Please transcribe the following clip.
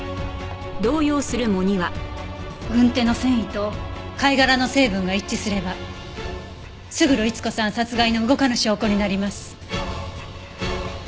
軍手の繊維と貝殻の成分が一致すれば勝呂伊津子さん殺害の動かぬ証拠になります。